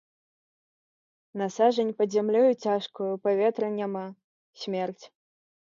На сажань пад зямлёю цяжкаю, паветра няма, смерць.